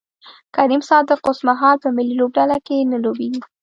کریم صادق اوسمهال په ملي لوبډله کې نه لوبیږي